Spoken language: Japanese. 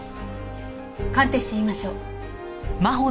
鑑定してみましょう。